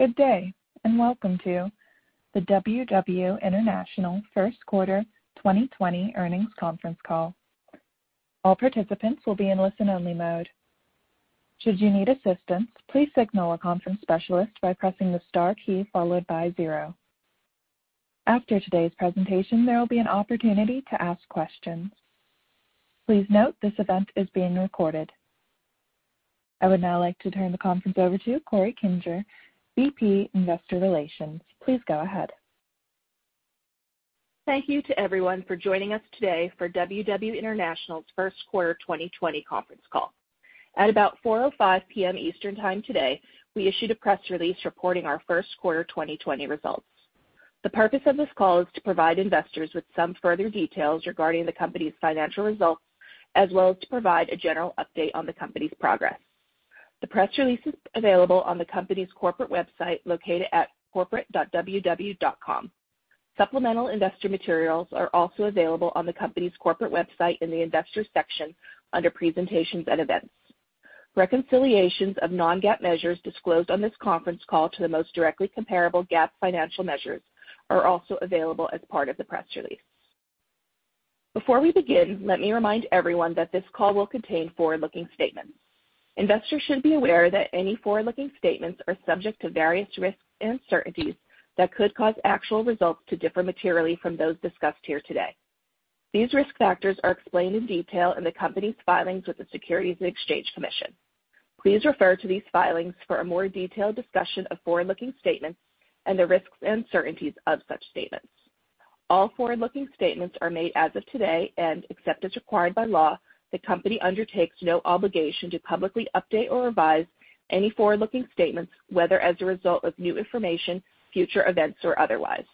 Good day, and welcome to the WW International first quarter 2020 earnings conference call. All participants will be in listen-only mode. Should you need assistance, please signal a conference specialist by pressing the star key followed by zero. After today's presentation, there will be an opportunity to ask questions. Please note this event is being recorded. I would now like to turn the conference over to Corey Kinger, Vice President Investor Relations. Please go ahead. Thank you to everyone for joining us today for WW International's first quarter 2020 conference call. At about 4:05 P.M. Eastern Time today, we issued a press release reporting our first quarter 2020 results. The purpose of this call is to provide investors with some further details regarding the company's financial results, as well as to provide a general update on the company's progress. The press release is available on the company's corporate website located at corporate.ww.com. Supplemental investor materials are also available on the company's corporate website in the Investors section under Presentations and Events. Reconciliations of non-GAAP measures disclosed on this conference call to the most directly comparable GAAP financial measures are also available as part of the press release. Before we begin, let me remind everyone that this call will contain forward-looking statements. Investors should be aware that any forward-looking statements are subject to various risks and uncertainties that could cause actual results to differ materially from those discussed here today. These risk factors are explained in detail in the company's filings with the Securities and Exchange Commission. Please refer to these filings for a more detailed discussion of forward-looking statements and the risks and uncertainties of such statements. All forward-looking statements are made as of today, and except as required by law, the company undertakes no obligation to publicly update or revise any forward-looking statements, whether as a result of new information, future events, or otherwise.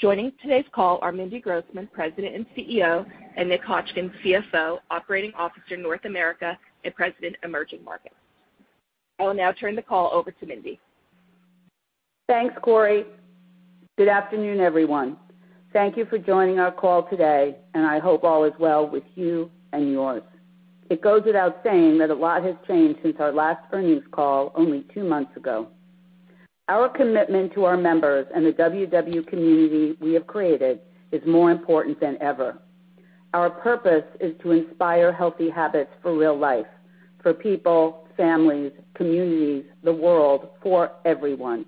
Joining today's call are Mindy Grossman, President and Chief Executive Officer, and Nick Hotchkin, Chief Financial Officer, Operating Officer, North America, and President, Emerging Markets. I will now turn the call over to Mindy. Thanks, Corey. Good afternoon, everyone. Thank you for joining our call today, and I hope all is well with you and yours. It goes without saying that a lot has changed since our last earnings call only two months ago. Our commitment to our members and the WW community we have created is more important than ever. Our purpose is to inspire healthy habits for real life, for people, families, communities, the world, for everyone.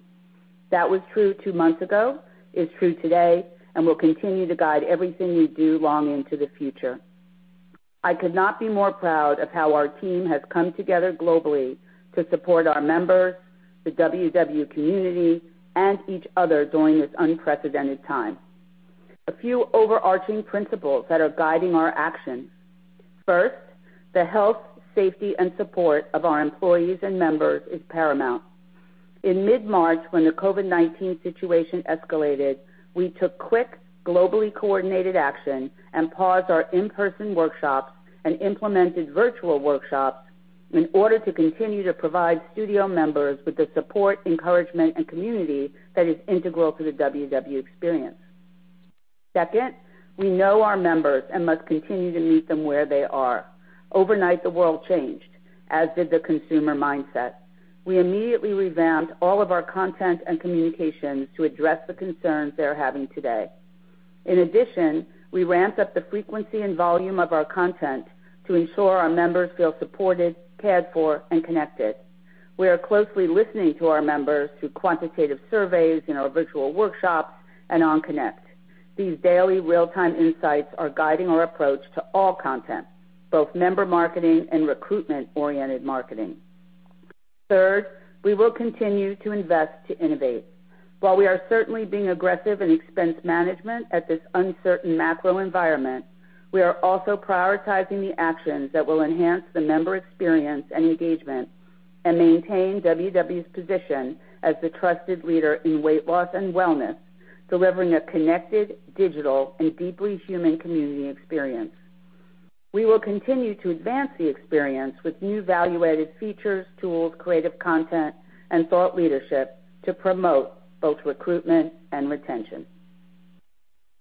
That was true two months ago, is true today, and will continue to guide everything we do long into the future. I could not be more proud of how our team has come together globally to support our members, the WW community, and each other during this unprecedented time. A few overarching principles that are guiding our actions. First, the health, safety, and support of our employees and members is paramount. In mid-March when the COVID-19 situation escalated, we took quick, globally coordinated action and paused our in-person workshops and implemented virtual workshops in order to continue to provide studio members with the support, encouragement, and community that is integral to the WW experience. Second, we know our members and must continue to meet them where they are. Overnight, the world changed, as did the consumer mindset. We immediately revamped all of our content and communications to address the concerns they are having today. In addition, we ramped up the frequency and volume of our content to ensure our members feel supported, cared for, and connected. We are closely listening to our members through quantitative surveys in our virtual workshops and on Connect. These daily real-time insights are guiding our approach to all content, both member marketing and recruitment-oriented marketing. Third, we will continue to invest to innovate. While we are certainly being aggressive in expense management at this uncertain macro environment, we are also prioritizing the actions that will enhance the member experience and engagement and maintain WW's position as the trusted leader in weight loss and wellness, delivering a connected, digital, and deeply human community experience. We will continue to advance the experience with new value-added features, tools, creative content, and thought leadership to promote both recruitment and retention.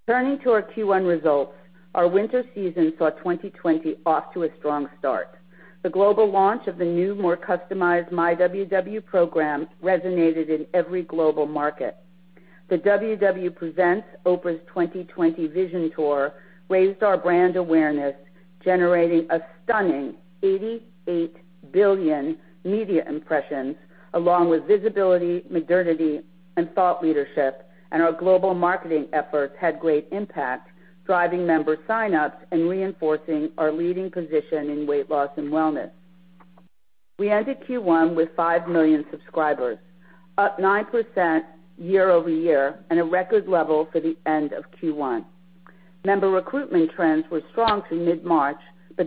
Turning to our Q1 results, our winter season saw 2020 off to a strong start. The global launch of the new, more customized myWW program resonated in every global market. The WW presents Oprah's 2020 Vision Tour raised our brand awareness, generating a stunning 88 billion media impressions, along with visibility, modernity, and thought leadership, and our global marketing efforts had great impact, driving member sign-ups and reinforcing our leading position in weight loss and wellness. We ended Q1 with 5 million subscribers, up 9% YoY and a record level for the end of Q1. Member recruitment trends were strong through mid-March,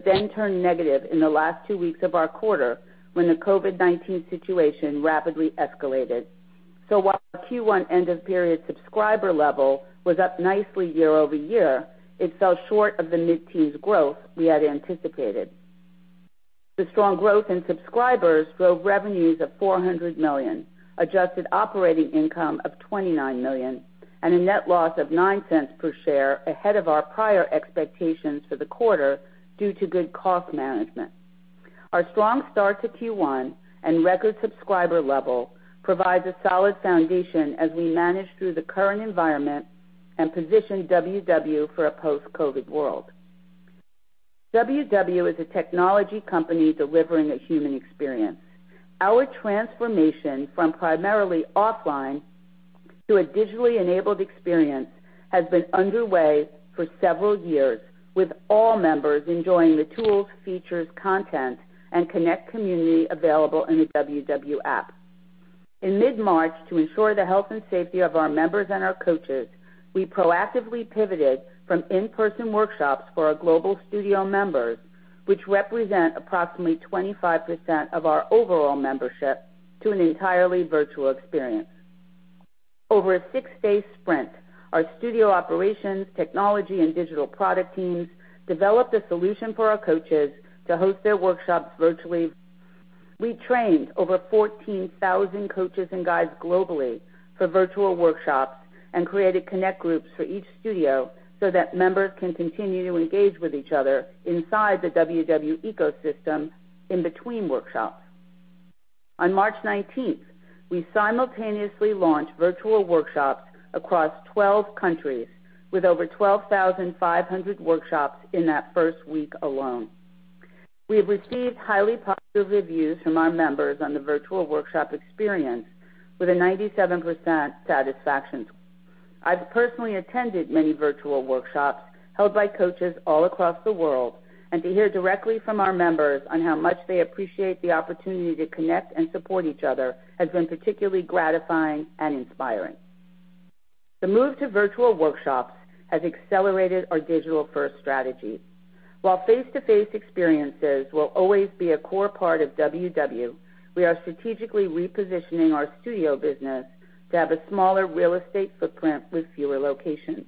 then turned negative in the last two weeks of our quarter when the COVID-19 situation rapidly escalated. While our Q1 end-of-period subscriber level was up nicely YoY, it fell short of the mid-teens growth we had anticipated. The strong growth in subscribers drove revenues of $400 million, adjusted operating income of $29 million, a net loss of $0.09 per share ahead of our prior expectations for the quarter due to good cost management. Our strong start to Q1 and record subscriber level provides a solid foundation as we manage through the current environment and position WW for a post-COVID world. WW is a technology company delivering a human experience. Our transformation from primarily offline to a digitally enabled experience has been underway for several years, with all members enjoying the tools, features, content, and Connect community available in the WW app. In mid-March, to ensure the health and safety of our members and our coaches, we proactively pivoted from in-person workshops for our global studio members, which represent approximately 25% of our overall membership, to an entirely virtual experience. Over a six-day sprint, our studio operations, technology, and digital product teams developed a solution for our coaches to host their workshops virtually. We trained over 14,000 coaches and guides globally for virtual workshops and created Connect groups for each studio so that members can continue to engage with each other inside the WW ecosystem in between workshops. On March 19th, we simultaneously launched virtual workshops across 12 countries with over 12,500 workshops in that first week alone. We have received highly positive reviews from our members on the virtual workshop experience with a 97% satisfaction. I've personally attended many virtual workshops held by coaches all across the world, and to hear directly from our members on how much they appreciate the opportunity to connect and support each other has been particularly gratifying and inspiring. The move to virtual workshops has accelerated our digital-first strategy. While face-to-face experiences will always be a core part of WW, we are strategically repositioning our studio business to have a smaller real estate footprint with fewer locations.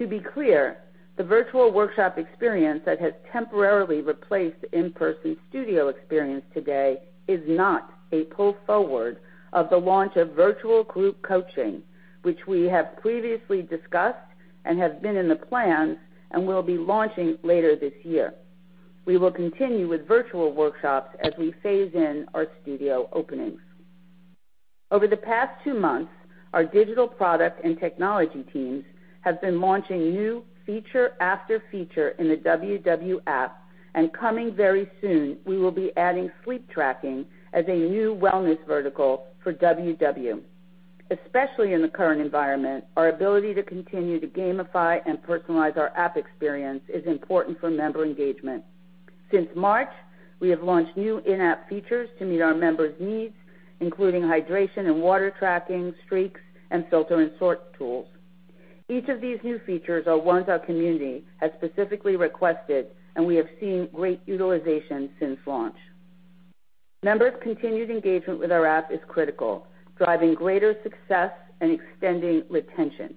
To be clear, the virtual workshop experience that has temporarily replaced the in-person studio experience today is not a pull forward of the launch of virtual group coaching, which we have previously discussed and has been in the plans and will be launching later this year. We will continue with virtual workshops as we phase in our studio openings. Over the past two months, our digital product and technology teams have been launching new feature after feature in the WW app, and coming very soon, we will be adding sleep tracking as a new wellness vertical for WW. Especially in the current environment, our ability to continue to gamify and personalize our app experience is important for member engagement. Since March, we have launched new in-app features to meet our members' needs, including hydration and water tracking, streaks, and filter and sort tools. Each of these new features are ones our community has specifically requested, and we have seen great utilization since launch. Members' continued engagement with our app is critical, driving greater success and extending retention.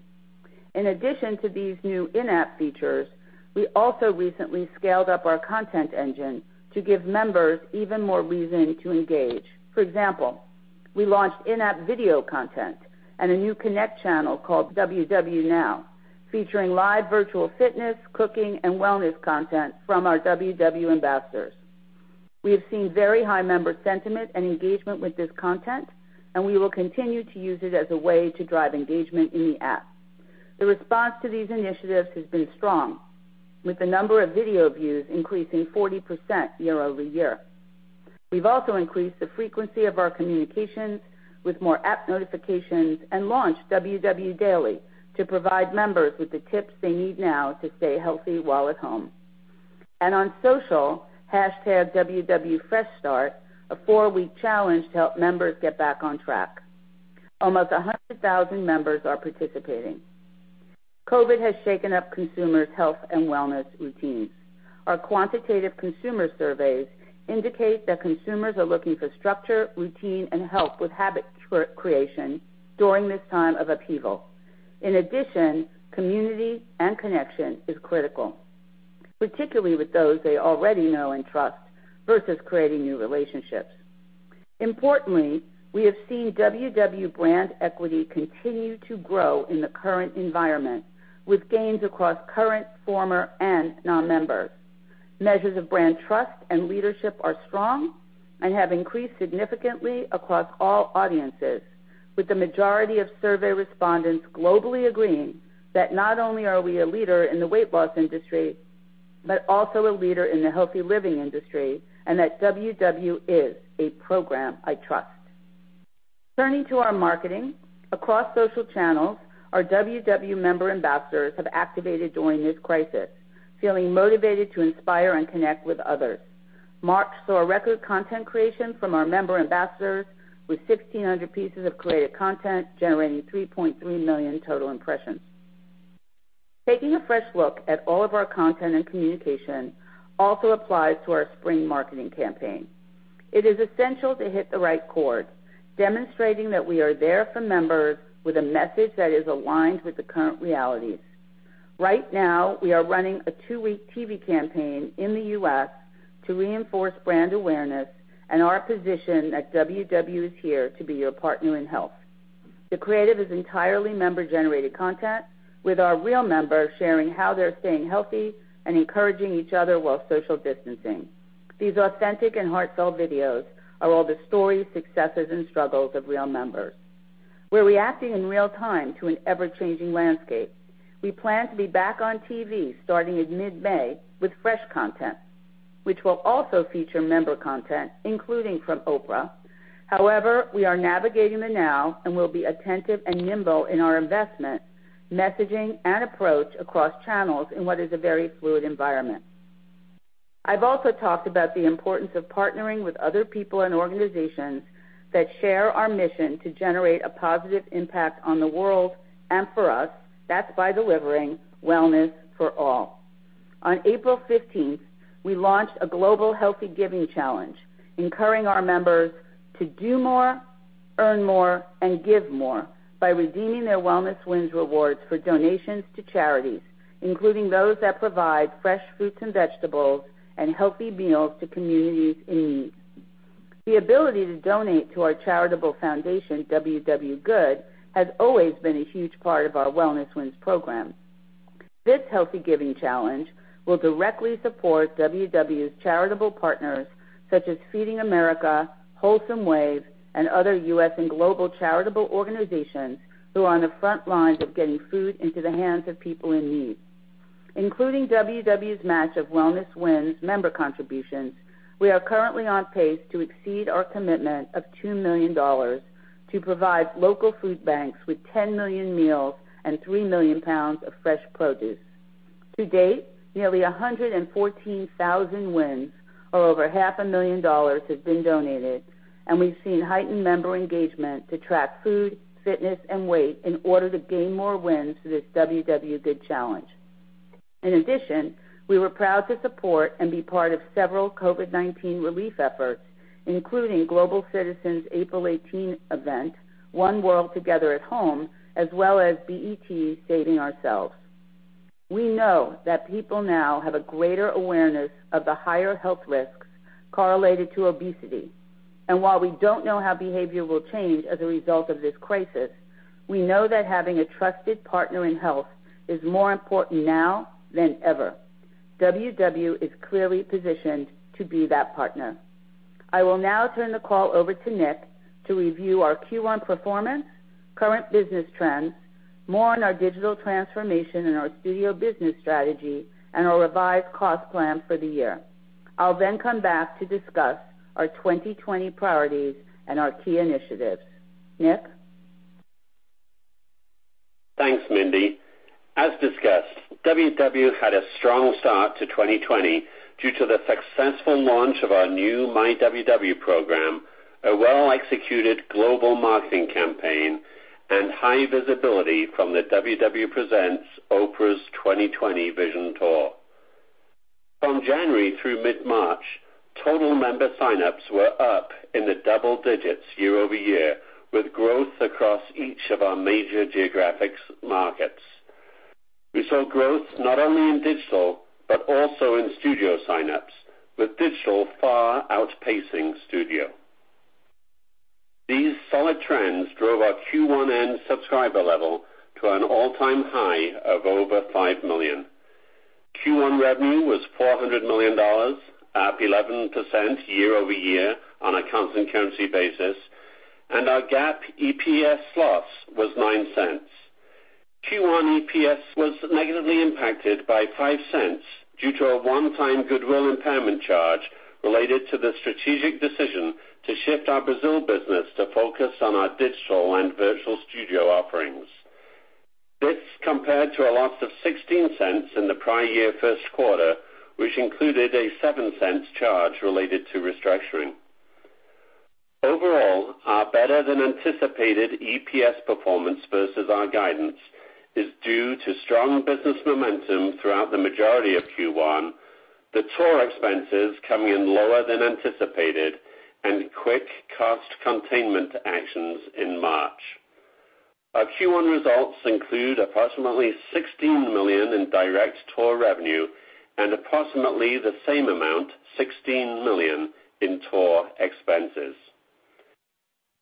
In addition to these new in-app features, we also recently scaled up our content engine to give members even more reason to engage. For example, we launched in-app video content and a new Connect channel called WW Now, featuring live virtual fitness, cooking, and wellness content from our WW ambassadors. We have seen very high member sentiment and engagement with this content, and we will continue to use it as a way to drive engagement in the app. The response to these initiatives has been strong, with the number of video views increasing 40% YoY. We've also increased the frequency of our communications with more app notifications and launched WW Daily to provide members with the tips they need now to stay healthy while at home. On social, #WWFreshStart, a four-week challenge to help members get back on track. Almost 100,000 members are participating. COVID has shaken up consumers' health and wellness routines. Our quantitative consumer surveys indicate that consumers are looking for structure, routine, and help with habit creation during this time of upheaval. In addition, community and connection is critical, particularly with those they already know and trust versus creating new relationships. Importantly, we have seen WW brand equity continue to grow in the current environment with gains across current, former, and non-members. Measures of brand trust and leadership are strong and have increased significantly across all audiences, with the majority of survey respondents globally agreeing that not only are we a leader in the weight loss industry, but also a leader in the healthy living industry, and that WW is a program I trust. Turning to our marketing. Across social channels, our WW member ambassadors have activated during this crisis, feeling motivated to inspire and connect with others. March saw record content creation from our member ambassadors with 1,600 pieces of created content, generating 3.3 million total impressions. Taking a fresh look at all of our content and communication also applies to our spring marketing campaign. It is essential to hit the right chord, demonstrating that we are there for members with a message that is aligned with the current realities. Right now, we are running a two-week TV campaign in the U.S. to reinforce brand awareness and our position that WW is here to be your partner in health. The creative is entirely member-generated content, with our real members sharing how they're staying healthy and encouraging each other while social distancing. These authentic and heartfelt videos are all the stories, successes, and struggles of real members. We're reacting in real time to an ever-changing landscape. We plan to be back on TV starting in mid-May with fresh content, which will also feature member content, including from Oprah. However, we are navigating the now and will be attentive and nimble in our investment, messaging, and approach across channels in what is a very fluid environment. I've also talked about the importance of partnering with other people and organizations that share our mission to generate a positive impact on the world, and for us, that's by delivering wellness for all. On April 15th, we launched a global Healthy Giving Challenge, encouraging our members to do more, earn more, and give more by redeeming their WellnessWins rewards for donations to charities, including those that provide fresh fruits and vegetables and healthy meals to communities in need. The ability to donate to our charitable foundation, WW Good, has always been a huge part of our WellnessWins program. This Healthy Giving Challenge will directly support WW's charitable partners such as Feeding America, Wholesome Wave, and other U.S. and global charitable organizations who are on the front lines of getting food into the hands of people in need. Including WW's match of WellnessWins member contributions, we are currently on pace to exceed our commitment of $2 million to provide local food banks with 10 million meals and 3 million pounds of fresh produce. To date, nearly 114,000 wins, or over $500,000 have been donated, and we've seen heightened member engagement to track food, fitness, and weight in order to gain more wins for this WW Good challenge. In addition, we were proud to support and be part of several COVID-19 relief efforts, including Global Citizen's April 18 event, One World: Together At Home, as well as BET's Saving Our Selves. We know that people now have a greater awareness of the higher health risks correlated to obesity. While we don't know how behavior will change as a result of this crisis, we know that having a trusted partner in health is more important now than ever. WW is clearly positioned to be that partner. I will now turn the call over to Nick to review our Q1 performance, current business trends, more on our digital transformation and our studio business strategy, and our revised cost plan for the year. I'll then come back to discuss our 2020 priorities and our key initiatives. Nick? Thanks, Mindy. As discussed, WW had a strong start to 2020 due to the successful launch of our new myWW program, a well-executed global marketing campaign, and high visibility from the WW presents Oprah's 2020 Vision Tour. From January through mid-March, total member sign-ups were up in the double digits YoY, with growth across each of our major geographic markets. We saw growth not only in digital, but also in studio sign-ups, with digital far outpacing studio. These solid trends drove our Q1 end subscriber level to an all-time high of over 5 million. Q1 revenue was $400 million, up 11% YoY on a constant currency basis, and our GAAP EPS loss was $0.09. Q1 EPS was negatively impacted by $0.05 due to a one-time goodwill impairment charge related to the strategic decision to shift our Brazil business to focus on our Digital and Virtual Studio offerings. This compared to a loss of $0.16 in the prior year first quarter, which included a $0.07 charge related to restructuring. Overall, our better-than-anticipated EPS performance versus our guidance is due to strong business momentum throughout the majority of Q1, the tour expenses coming in lower than anticipated, and quick cost containment actions in March. Our Q1 results include approximately $16 million in direct tour revenue and approximately the same amount, $16 million, in tour expenses.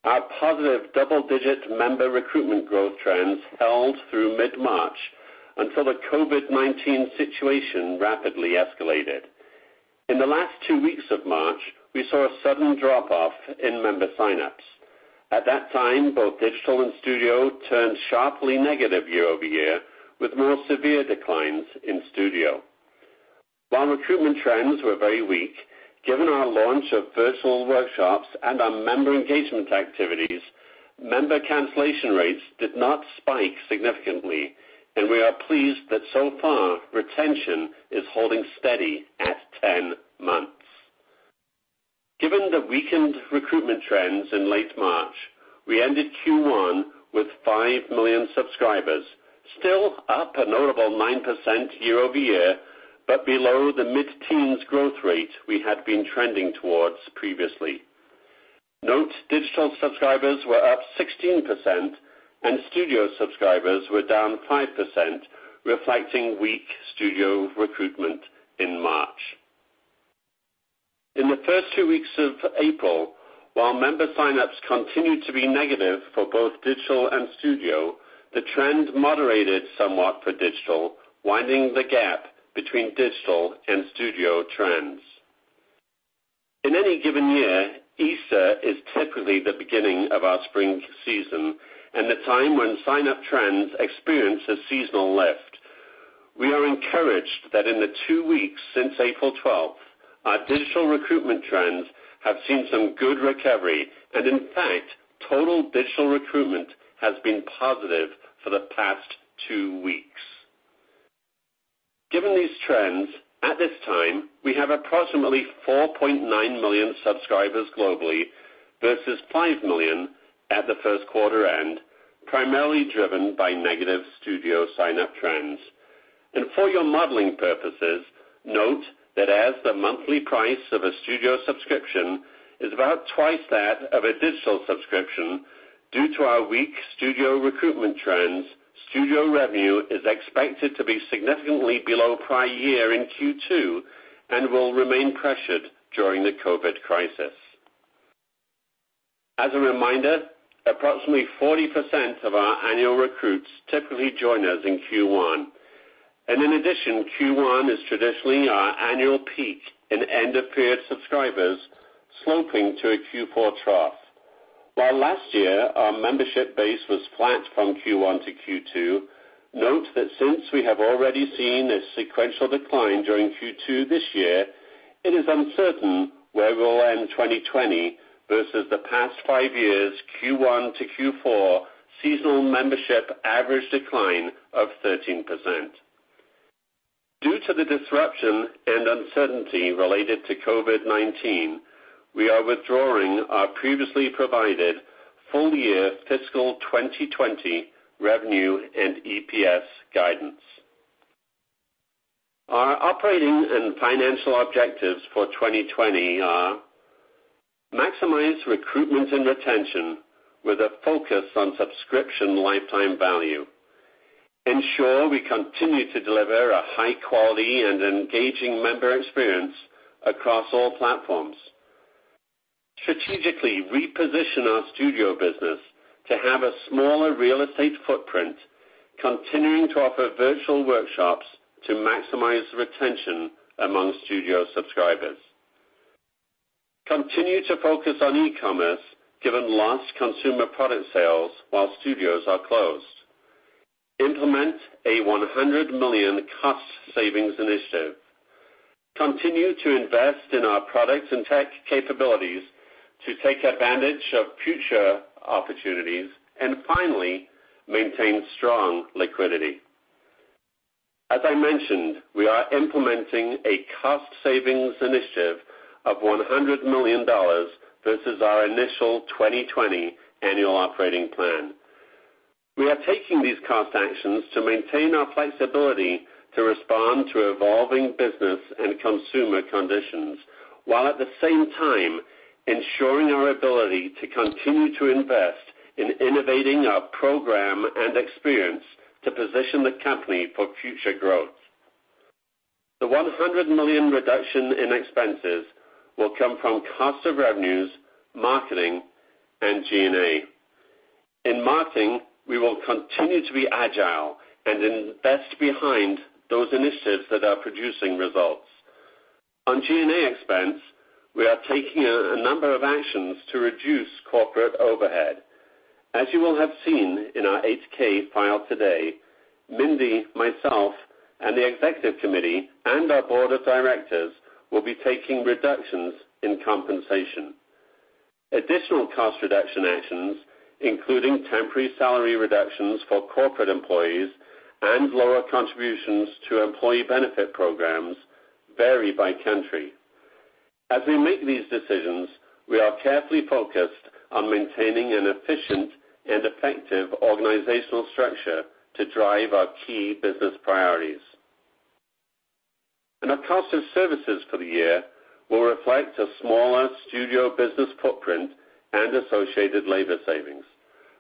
Our positive double-digit member recruitment growth trends held through mid-March until the COVID-19 situation rapidly escalated. In the last two weeks of March, we saw a sudden drop-off in member sign-ups. At that time, both digital and studio turned sharply negative YoY, with more severe declines in studio. While recruitment trends were very weak, given our launch of virtual workshops and our member engagement activities, member cancellation rates did not spike significantly, and we are pleased that so far, retention is holding steady at 10 months. Given the weakened recruitment trends in late March, we ended Q1 with 5 million subscribers, still up a notable 9% YoY, but below the mid-teens growth rate we had been trending towards previously. Note, digital subscribers were up 16% and studio subscribers were down 5%, reflecting weak studio recruitment in March. In the first two weeks of April, while member sign-ups continued to be negative for both digital and studio, the trend moderated somewhat for digital, winding the gap between digital and studio trends. In any given year, Easter is typically the beginning of our spring season and the time when sign-up trends experience a seasonal lift. We are encouraged that in the two weeks since April 12th, our digital recruitment trends have seen some good recovery, and in fact, total digital recruitment has been positive for the past two weeks. Given these trends, at this time, we have approximately 4.9 million subscribers globally versus 5 million at the first quarter end, primarily driven by negative studio sign-up trends. For your modeling purposes, note that as the monthly price of a studio subscription is about twice that of a digital subscription, due to our weak studio recruitment trends, studio revenue is expected to be significantly below prior year in Q2 and will remain pressured during the COVID crisis. As a reminder, approximately 40% of our annual recruits typically join us in Q1. In addition, Q1 is traditionally our annual peak in end-of-period subscribers, sloping to a Q4 trough. While last year, our membership base was flat from Q1 to Q2, note that since we have already seen a sequential decline during Q2 this year, it is uncertain where we will end 2020 versus the past five years Q1 to Q4 seasonal membership average decline of 13%. Due to the disruption and uncertainty related to COVID-19, we are withdrawing our previously provided full year fiscal 2020 revenue and EPS guidance. Our operating and financial objectives for 2020 are maximize recruitment and retention with a focus on subscription lifetime value. Ensure we continue to deliver a high quality and engaging member experience across all platforms. Strategically reposition our studio business to have a smaller real estate footprint, continuing to offer virtual workshops to maximize retention among studio subscribers. Continue to focus on e-commerce given lost consumer product sales while studios are closed. Implement a $100 million cost savings initiative. Continue to invest in our products and tech capabilities to take advantage of future opportunities. Finally, maintain strong liquidity. As I mentioned, we are implementing a cost savings initiative of $100 million versus our initial 2020 annual operating plan. We are taking these cost actions to maintain our flexibility to respond to evolving business and consumer conditions, while at the same time ensuring our ability to continue to invest in innovating our program and experience to position the company for future growth. The $100 million reduction in expenses will come from cost of revenues, marketing, and G&A. In marketing, we will continue to be agile and invest behind those initiatives that are producing results. On G&A expense, we are taking a number of actions to reduce corporate overhead. As you will have seen in our 8-K file today, Mindy, myself, and the executive committee and our board of directors will be taking reductions in compensation. Additional cost reduction actions, including temporary salary reductions for corporate employees and lower contributions to employee benefit programs, vary by country. As we make these decisions, we are carefully focused on maintaining an efficient and effective organizational structure to drive our key business priorities. Our cost of services for the year will reflect a smaller studio business footprint and associated labor savings.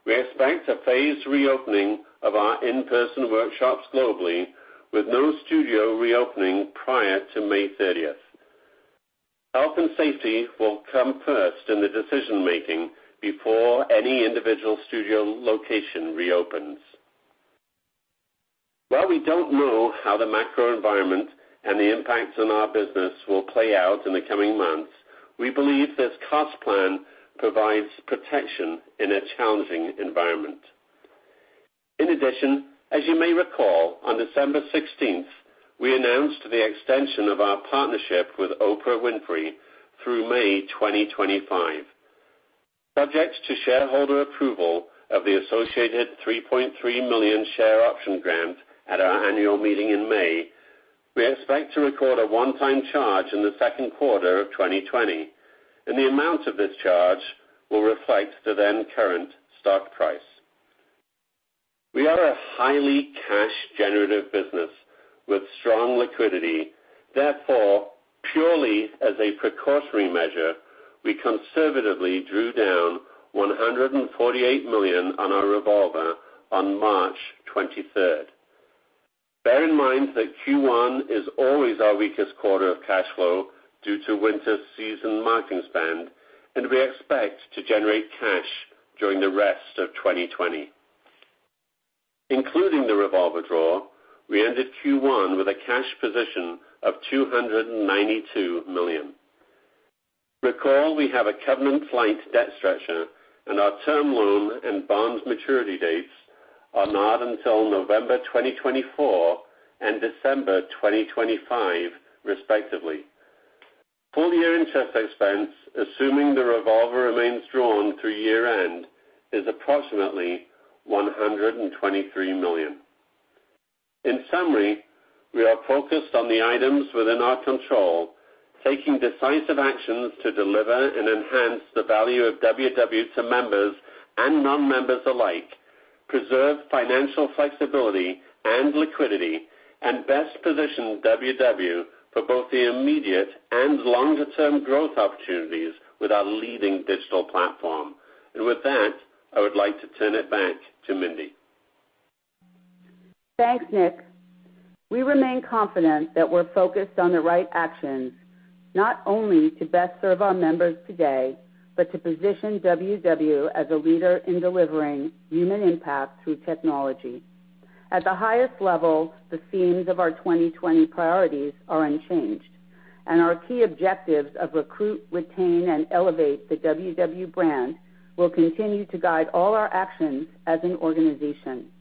We expect a phased reopening of our in-person workshops globally with no studio reopening prior to May 30th. Health and safety will come first in the decision-making before any individual studio location reopens. While we don't know how the macro environment and the impacts on our business will play out in the coming months, we believe this cost plan provides protection in a challenging environment. In addition, as you may recall, on December 16th, we announced the extension of our partnership with Oprah Winfrey through May 2025. Subject to shareholder approval of the associated 3.3 million share option grant at our annual meeting in May, we expect to record a one-time charge in the second quarter of 2020. The amount of this charge will reflect the then current stock price. We are a highly cash-generative business with strong liquidity. Therefore, purely as a precautionary measure, we conservatively drew down $148 million on our revolver on March 23rd. Bear in mind that Q1 is always our weakest quarter of cash flow due to winter season marketing spend, and we expect to generate cash during the rest of 2020. Including the revolver draw, we ended Q1 with a cash position of $292 million. Recall, we have a covenant-lite debt structure, and our term loan and bonds maturity dates are not until November 2024 and December 2025, respectively. Full-year interest expense, assuming the revolver remains drawn through year-end, is approximately $123 million. In summary, we are focused on the items within our control, taking decisive actions to deliver and enhance the value of WW to members and non-members alike, preserve financial flexibility and liquidity, and best position WW for both the immediate and longer-term growth opportunities with our leading digital platform. With that, I would like to turn it back to Mindy. Thanks, Nick. We remain confident that we're focused on the right actions, not only to best serve our members today, but to position WW as a leader in delivering human impact through technology. At the highest level, the themes of our 2020 priorities are unchanged, and our key objectives of recruit, retain, and elevate the WW brand will continue to guide all our actions as an organization.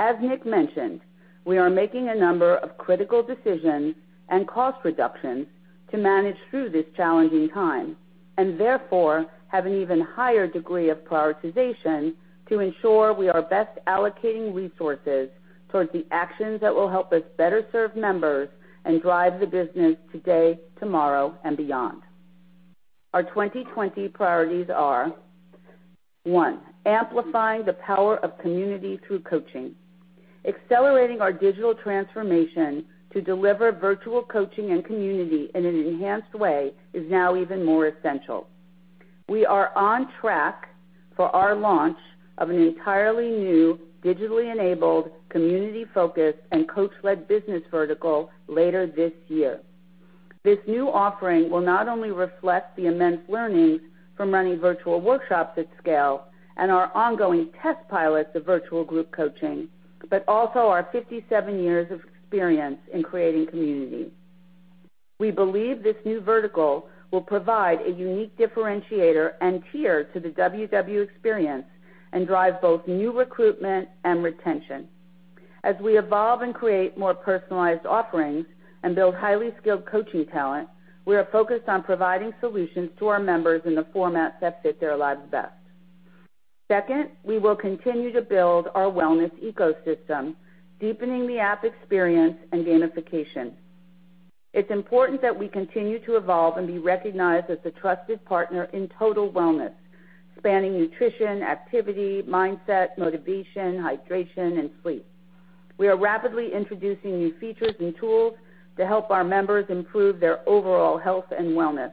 As Nick mentioned, we are making a number of critical decisions and cost reductions to manage through this challenging time, and therefore, have an even higher degree of prioritization to ensure we are best allocating resources towards the actions that will help us better serve members and drive the business today, tomorrow, and beyond. Our 2020 priorities are, one, amplify the power of community through coaching. Accelerating our digital transformation to deliver virtual coaching and community in an enhanced way is now even more essential. We are on track for our launch of an entirely new digitally enabled, community-focused, and coach-led business vertical later this year. This new offering will not only reflect the immense learnings from running virtual workshops at scale and our ongoing test pilots of virtual group coaching, but also our 57 years of experience in creating community. We believe this new vertical will provide a unique differentiator and tier to the WW experience and drive both new recruitment and retention. As we evolve and create more personalized offerings and build highly skilled coaching talent, we are focused on providing solutions to our members in the formats that fit their lives best. Second, we will continue to build our wellness ecosystem, deepening the app experience and gamification. It's important that we continue to evolve and be recognized as the trusted partner in total wellness, spanning nutrition, activity, mindset, motivation, hydration, and sleep. We are rapidly introducing new features and tools to help our members improve their overall health and wellness,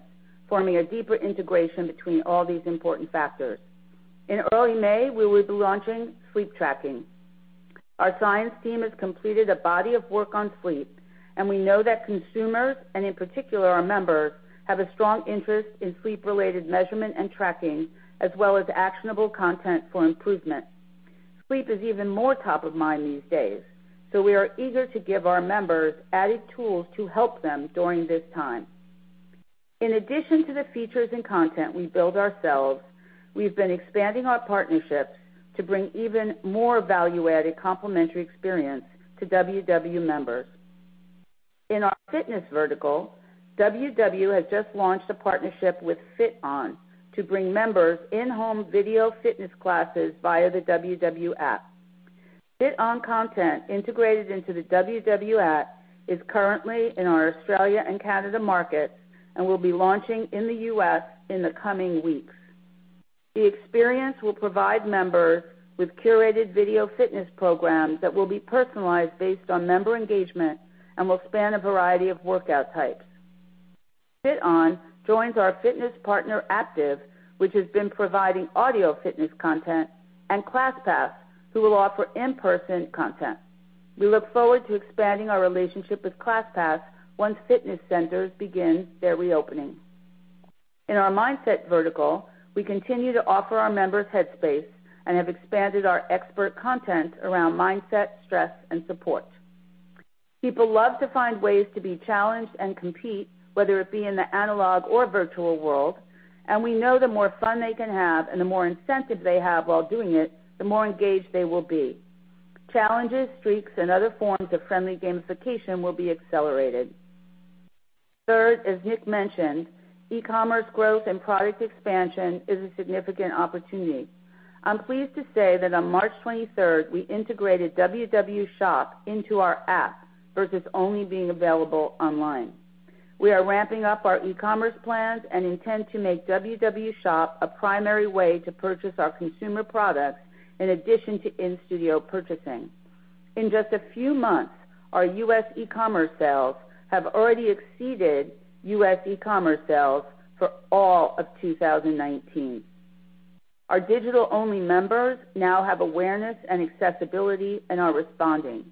forming a deeper integration between all these important factors. In early May, we will be launching sleep tracking. Our science team has completed a body of work on sleep, and we know that consumers, and in particular our members, have a strong interest in sleep-related measurement and tracking, as well as actionable content for improvement. Sleep is even more top of mind these days. We are eager to give our members added tools to help them during this time. In addition to the features and content we build ourselves, we've been expanding our partnerships to bring even more value-added complimentary experience to WW members. In our fitness vertical, WW has just launched a partnership with FitOn to bring members in-home video fitness classes via the WW app. FitOn content integrated into the WW app is currently in our Australia and Canada markets and will be launching in the U.S. in the coming weeks. The experience will provide members with curated video fitness programs that will be personalized based on member engagement and will span a variety of workout types. FitOn joins our fitness partner, Aaptiv, which has been providing audio fitness content, and ClassPass, who will offer in-person content. We look forward to expanding our relationship with ClassPass once fitness centers begin their reopening. In our mindset vertical, we continue to offer our members Headspace and have expanded our expert content around mindset, stress, and support. People love to find ways to be challenged and compete, whether it be in the analog or virtual world, and we know the more fun they can have and the more incentive they have while doing it, the more engaged they will be. Challenges, streaks, and other forms of friendly gamification will be accelerated. Third, as Nick mentioned, e-commerce growth and product expansion is a significant opportunity. I'm pleased to say that on March 23rd, we integrated WW Shop into our app versus only being available online. We are ramping up our e-commerce plans and intend to make WW Shop a primary way to purchase our consumer products in addition to in-studio purchasing. In just a few months, our U.S. e-commerce sales have already exceeded U.S. e-commerce sales for all of 2019. Our digital-only members now have awareness and accessibility and are responding.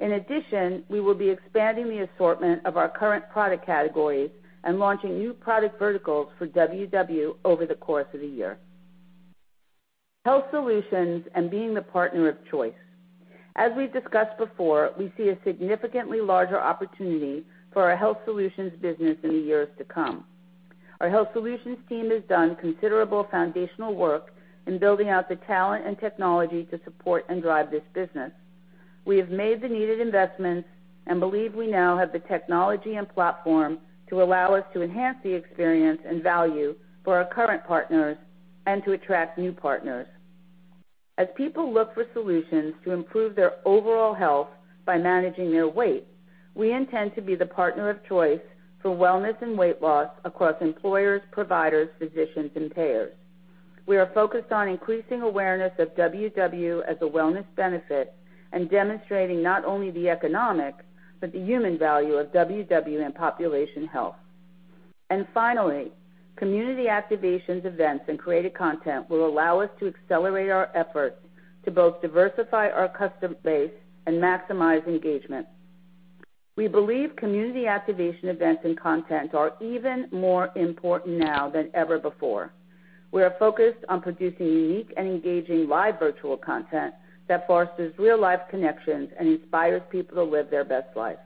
In addition, we will be expanding the assortment of our current product categories and launching new product verticals for WW over the course of the year. Health solutions and being the partner of choice. As we've discussed before, we see a significantly larger opportunity for our health solutions business in the years to come. Our health solutions team has done considerable foundational work in building out the talent and technology to support and drive this business. We have made the needed investments and believe we now have the technology and platform to allow us to enhance the experience and value for our current partners and to attract new partners. As people look for solutions to improve their overall health by managing their weight, we intend to be the partner of choice for wellness and weight loss across employers, providers, physicians, and payers. We are focused on increasing awareness of WW as a wellness benefit and demonstrating not only the economic, but the human value of WW in population health. Finally, community activations, events, and created content will allow us to accelerate our efforts to both diversify our customer base and maximize engagement. We believe community activation events and content are even more important now than ever before. We are focused on producing unique and engaging live virtual content that fosters real-life connections and inspires people to live their best lives.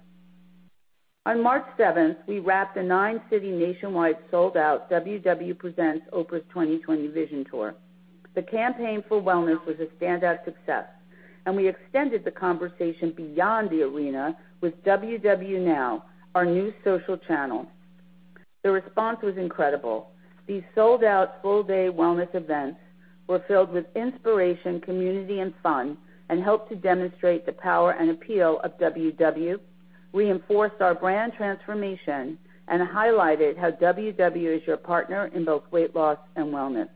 On March 7th, we wrapped a nine-city nationwide sold-out WW Presents Oprah's 2020 Vision Tour. The campaign for wellness was a standout success, and we extended the conversation beyond the arena with WW Now, our new social channel. The response was incredible. These sold-out full-day wellness events were filled with inspiration, community, and fun and helped to demonstrate the power and appeal of WW, reinforced our brand transformation, and highlighted how WW is your partner in both weight loss and wellness.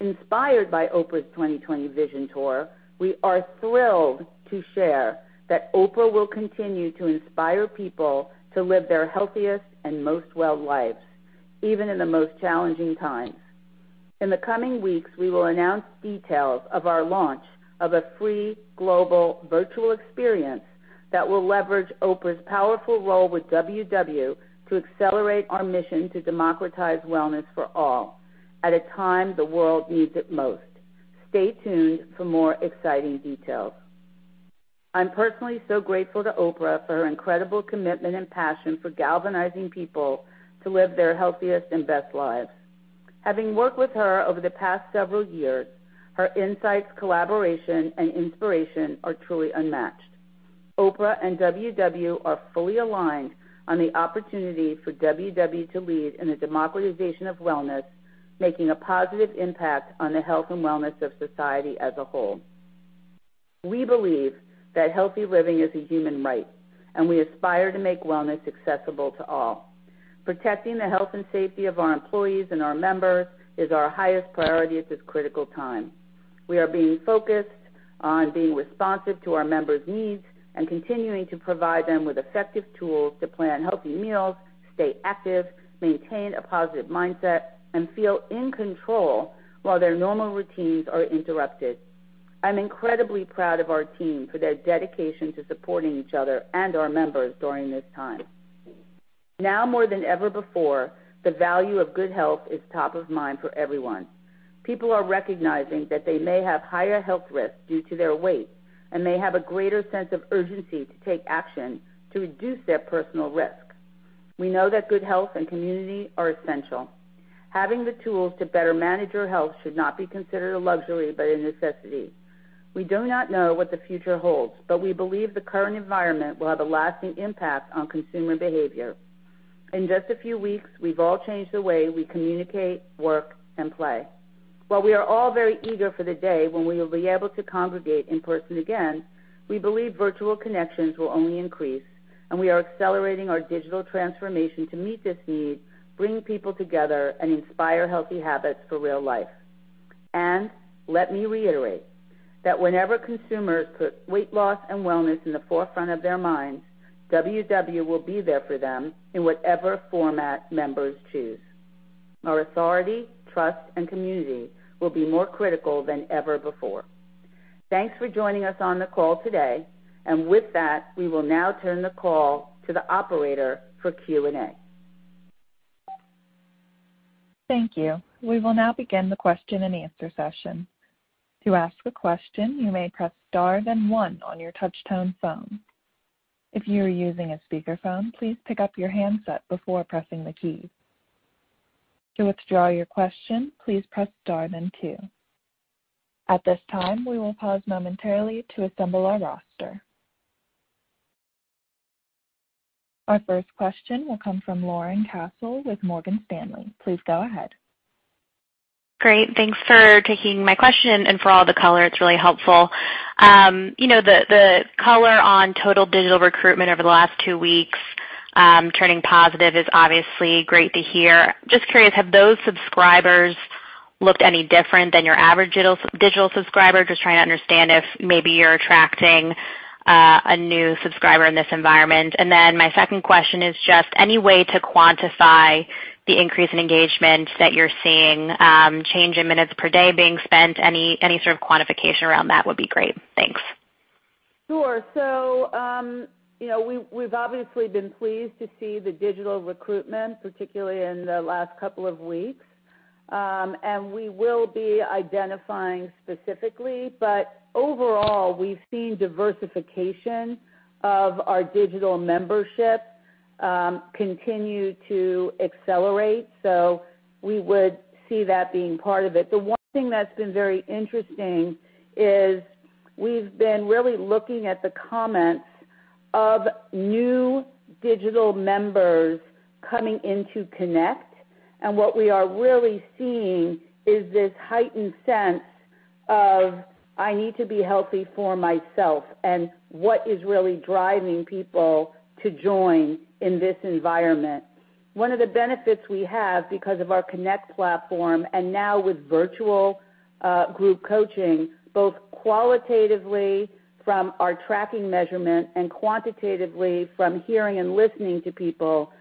Inspired by Oprah's 2020 Vision Tour, we are thrilled to share that Oprah will continue to inspire people to live their healthiest and most well lives, even in the most challenging times. In the coming weeks, we will announce details of our launch of a free global virtual experience that will leverage Oprah's powerful role with WW to accelerate our mission to democratize wellness for all at a time the world needs it most. Stay tuned for more exciting details. I'm personally so grateful to Oprah for her incredible commitment and passion for galvanizing people to live their healthiest and best lives. Having worked with her over the past several years, her insights, collaboration, and inspiration are truly unmatched. Oprah and WW are fully aligned on the opportunity for WW to lead in the democratization of wellness, making a positive impact on the health and wellness of society as a whole. We believe that healthy living is a human right. We aspire to make wellness accessible to all. Protecting the health and safety of our employees and our members is our highest priority at this critical time. We are being focused on being responsive to our members' needs and continuing to provide them with effective tools to plan healthy meals, stay active, maintain a positive mindset, and feel in control while their normal routines are interrupted. I'm incredibly proud of our team for their dedication to supporting each other and our members during this time. Now more than ever before, the value of good health is top of mind for everyone. People are recognizing that they may have higher health risks due to their weight and may have a greater sense of urgency to take action to reduce their personal risk. We know that good health and community are essential. Having the tools to better manage your health should not be considered a luxury, but a necessity. We do not know what the future holds, but we believe the current environment will have a lasting impact on consumer behavior. In just a few weeks, we've all changed the way we communicate, work, and play. While we are all very eager for the day when we will be able to congregate in person again, we believe virtual connections will only increase. We are accelerating our digital transformation to meet this need, bring people together, and inspire healthy habits for real life. Let me reiterate that whenever consumers put weight loss and wellness in the forefront of their minds, WW will be there for them in whatever format members choose. Our authority, trust, and community will be more critical than ever before. Thanks for joining us on the call today. With that, we will now turn the call to the operator for Q&A. Thank you. We will now begin the question-and-answer session. To ask a question, you may press star then one on your touch-tone phone. If you are using a speakerphone, please pick up your handset before pressing the key. To withdraw your question, please press star then two. At this time, we will pause momentarily to assemble our roster. Our first question will come from Lauren Cassel with Morgan Stanley. Please go ahead. Great. Thanks for taking my question and for all the color, it's really helpful. The color on total digital recruitment over the last two weeks turning positive is obviously great to hear. Just curious, have those subscribers looked any different than your average digital subscriber? Just trying to understand if maybe you're attracting a new subscriber in this environment. My second question is just any way to quantify the increase in engagement that you're seeing, change in minutes per day being spent. Any sort of quantification around that would be great. Thanks. Sure. We've obviously been pleased to see the digital recruitment, particularly in the last couple of weeks. We will be identifying specifically, but overall, we've seen diversification of our digital membership continue to accelerate. We would see that being part of it. The one thing that's been very interesting is we've been really looking at the comments of new digital members coming into Connect, and what we are really seeing is this heightened sense of, "I need to be healthy for myself," and what is really driving people to join in this environment. One of the benefits we have because of our Connect platform and now with virtual group coaching, both qualitatively from our tracking measurement and quantitatively from hearing and listening to people,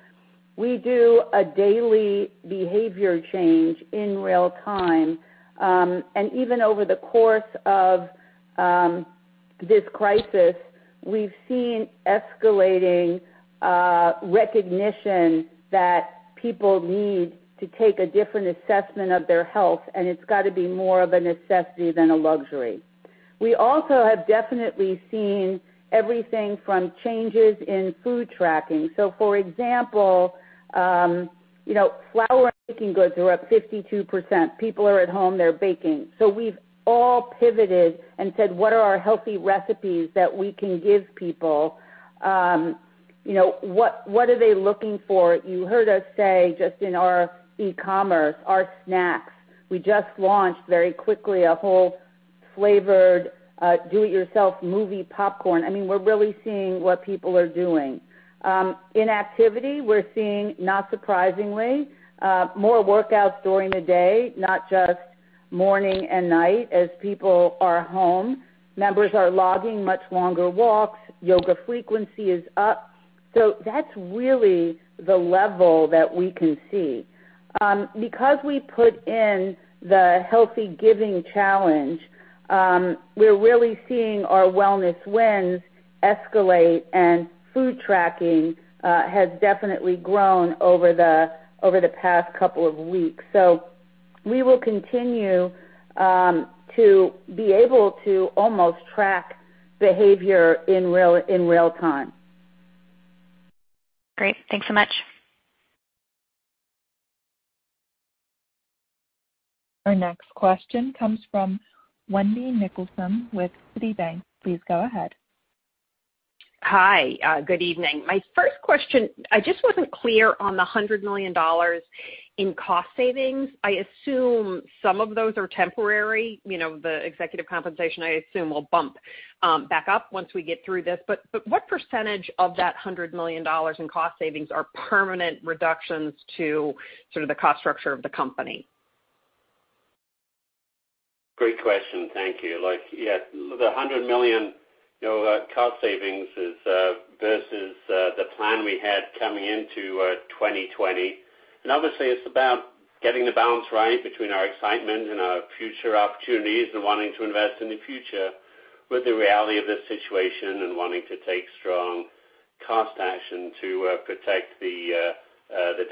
we do a daily behavior change in real time. Even over the course of this crisis, we've seen escalating recognition that people need to take a different assessment of their health, and it's got to be more of a necessity than a luxury. We also have definitely seen everything from changes in food tracking. For example, flour and baking goods are up 52%. People are at home, they're baking. We've all pivoted and said, what are our healthy recipes that we can give people? What are they looking for? You heard us say, just in our e-commerce, our snacks. We just launched very quickly a whole flavored do-it-yourself movie popcorn. We're really seeing what people are doing. In activity, we're seeing, not surprisingly, more workouts during the day, not just morning and night, as people are home. Members are logging much longer walks. Yoga frequency is up. That's really the level that we can see. Because we put in the Healthy Giving Challenge, we're really seeing our WellnessWins escalate, and food tracking has definitely grown over the past couple of weeks. We will continue to be able to almost track behavior in real time. Great. Thanks so much. Our next question comes from Wendy Nicholson with Citi. Please go ahead. Hi. Good evening. My first question, I just wasn't clear on the $100 million in cost savings. I assume some of those are temporary. The executive compensation, I assume, will bump back up once we get through this. What percentage of that $100 million in cost savings are permanent reductions to sort of the cost structure of the company? Great question. Thank you. Look, yeah, the $100 million cost savings is versus the plan we had coming into 2020. Obviously, it's about getting the balance right between our excitement and our future opportunities and wanting to invest in the future with the reality of this situation and wanting to take strong cost action to protect the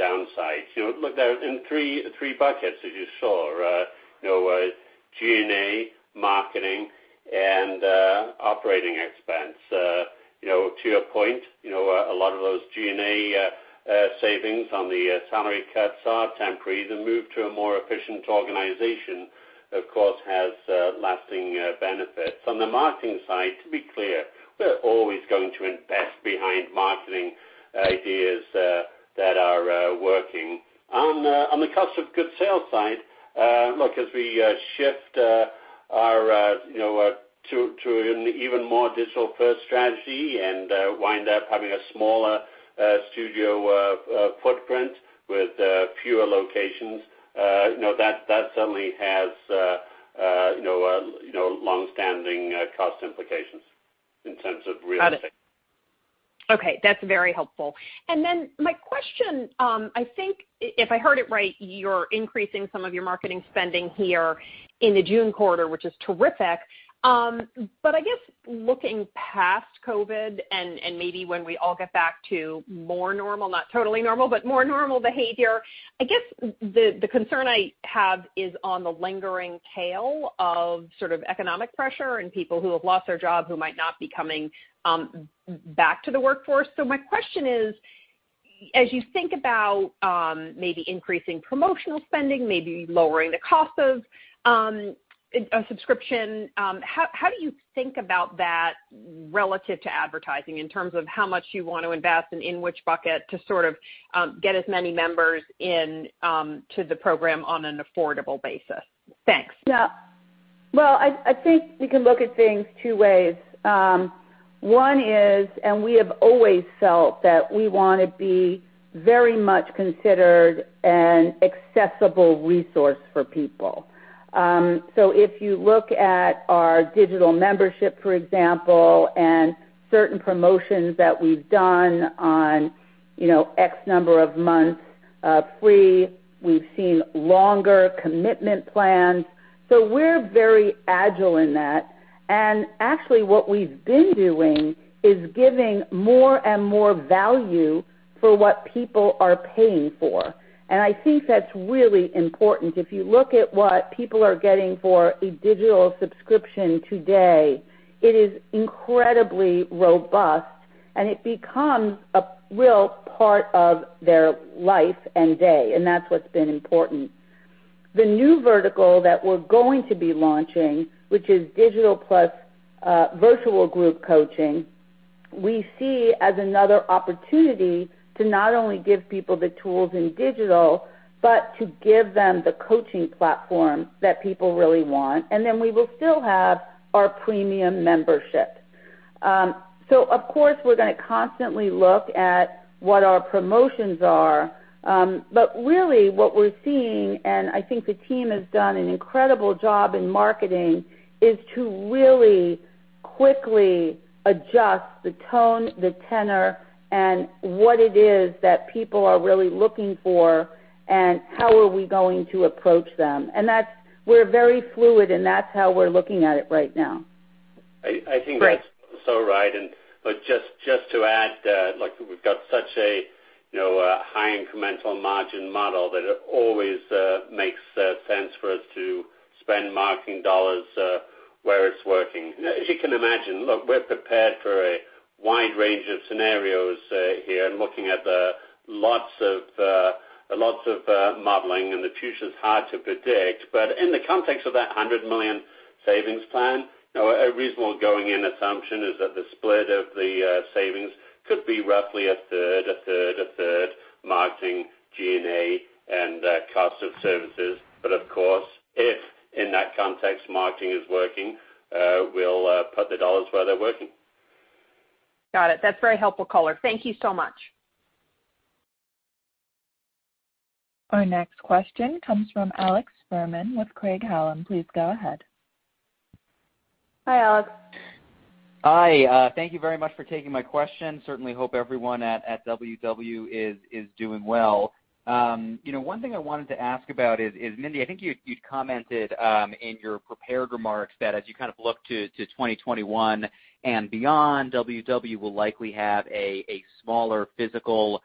downsides. Look, they're in three buckets, as you saw. G&A, marketing, and operating expense. To your point, a lot of those G&A savings on the salary cuts are temporary. The move to a more efficient organization, of course, has lasting benefits. On the marketing side, to be clear, we're always going to invest behind marketing ideas that are working. On the cost of goods sold side, look, as we shift to an even more digital-first strategy and wind up having a smaller studio footprint with fewer locations, that certainly has long-standing cost implications in terms of real estate. Got it. Okay, that's very helpful. My question, I think if I heard it right, you're increasing some of your marketing spending here in the June quarter, which is terrific. I guess looking past COVID and maybe when we all get back to more normal, not totally normal, but more normal behavior, I guess the concern I have is on the lingering tail of sort of economic pressure and people who have lost their job who might not be coming back to the workforce. My question is, as you think about maybe increasing promotional spending, maybe lowering the cost of a subscription, how do you think about that relative to advertising in terms of how much you want to invest and in which bucket to sort of get as many members into the program on an affordable basis? Thanks. Well, I think we can look at things two ways. One is, and we have always felt that we want to be very much considered an accessible resource for people. If you look at our digital membership, for example, and certain promotions that we've done on X number of months free, we've seen longer commitment plans. We're very agile in that. Actually, what we've been doing is giving more and more value for what people are paying for. I think that's really important. If you look at what people are getting for a digital subscription today, it is incredibly robust, and it becomes a real part of their life and day, and that's what's been important. The new vertical that we're going to be launching, which is digital plus virtual group coaching, we see as another opportunity to not only give people the tools in digital, but to give them the coaching platform that people really want, and then we will still have our premium membership. Of course, we're going to constantly look at what our promotions are. Really what we're seeing, and I think the team has done an incredible job in marketing, is to really quickly adjust the tone, the tenor, and what it is that people are really looking for, and how are we going to approach them. We're very fluid, and that's how we're looking at it right now. I think that's- Great. Right. Just to add, we've got such a high incremental margin model that it always makes sense for us to spend marketing dollars, where it's working. As you can imagine, look, we're prepared for a wide range of scenarios here and looking at the lots of modeling, and the future's hard to predict. In the context of that $100 million savings plan, a reasonable going-in assumption is that the split of the savings could be roughly a third, a third, a third, marketing, G&A, and cost of services. Of course, if in that context, marketing is working, we'll put the dollars where they're working. Got it. That's very helpful color. Thank you so much. Our next question comes from Alex Fuhrman with Craig-Hallum. Please go ahead. Hi, Alex. Hi. Thank you very much for taking my question. Certainly hope everyone at WW is doing well. One thing I wanted to ask about is, Mindy, I think you'd commented, in your prepared remarks that as you look to 2021 and beyond, WW will likely have a smaller physical,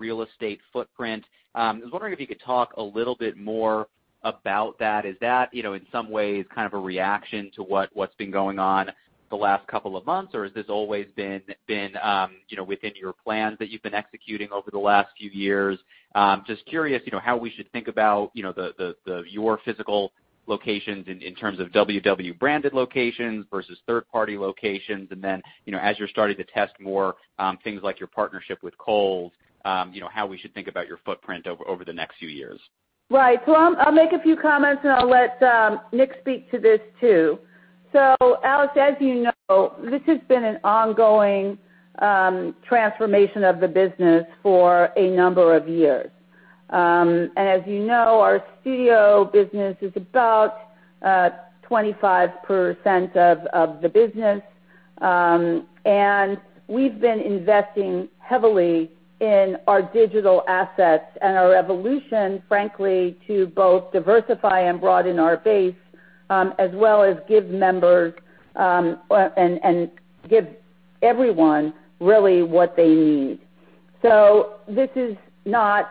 real estate footprint. I was wondering if you could talk a little bit more about that. Is that, in some ways kind of a reaction to what's been going on the last couple of months, or has this always been within your plans that you've been executing over the last few years? Just curious, how we should think about your physical locations in terms of WW-branded locations versus third-party locations, and then, as you're starting to test more, things like your partnership with Kurbo, how we should think about your footprint over the next few years. Right. I'll make a few comments, and I'll let Nick speak to this too. Alex, as you know, this has been an ongoing transformation of the business for a number of years. As you know, our studio business is about 25% of the business. We've been investing heavily in our digital assets and our evolution, frankly, to both diversify and broaden our base, as well as give members, and give everyone really what they need. This is not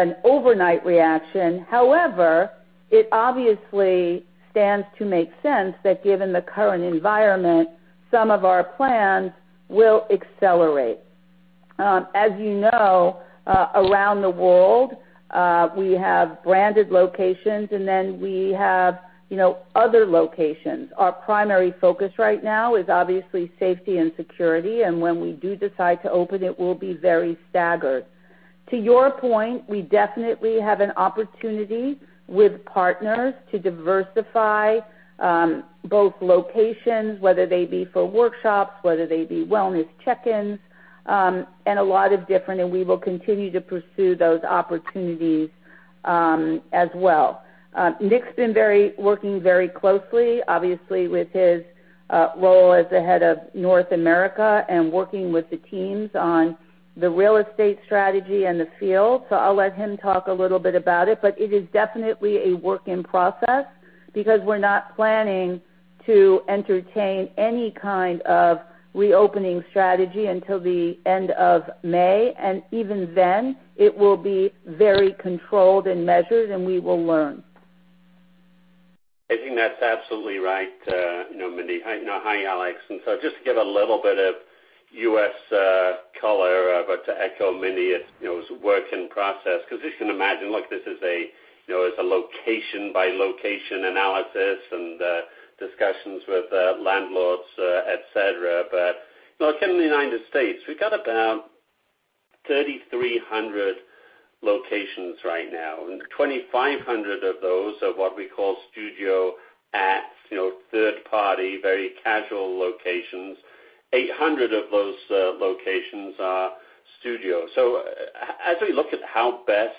an overnight reaction. However, it obviously stands to make sense that given the current environment, some of our plans will accelerate. As you know, around the world, we have branded locations, and then we have other locations. Our primary focus right now is obviously safety and security, and when we do decide to open, it will be very staggered. To your point, we definitely have an opportunity with partners to diversify both locations, whether they be for workshops, whether they be wellness check-ins, and we will continue to pursue those opportunities, as well. Nick's been working very closely, obviously, with his role as the head of North America and working with the teams on the real estate strategy and the field. I'll let him talk a little bit about it, but it is definitely a work in process because we're not planning to entertain any kind of reopening strategy until the end of May. Even then, it will be very controlled and measured, and we will learn. I think that's absolutely right, Mindy. Hi, Alex. Just to give a little bit of U.S. color, but to echo Mindy, it's a work in process because as you can imagine, look, this is a location-by-location analysis and discussions with landlords, et cetera. Look, in the United States, we've got about 3,300 locations right now, and 2,500 of those are what we call studio at, third party, very casual locations, 800 of those locations are studios. As we look at how best